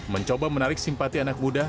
mencoba menarik simpati anak muda